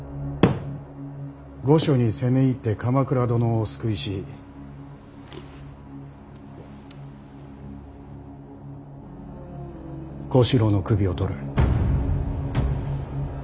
御所に攻め入って鎌倉殿をお救いし小四郎の首を取る。